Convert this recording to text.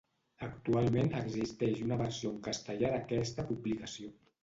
Actualment existeix una versió en castellà d'aquesta publicació.